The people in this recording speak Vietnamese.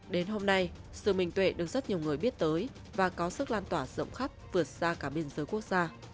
đến hôm nay sự minh tuệ được rất nhiều người biết tới và có sức lan tỏa rộng khắp vượt xa cả biên giới quốc gia